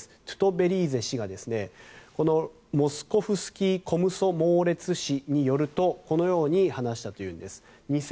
トゥトベリーゼ氏がモスコフスキー・コムソモーレツ紙によるとこのように話したというんです。